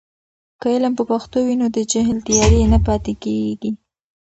که علم په پښتو وي، نو د جهل تیارې نه پاتې کیږي.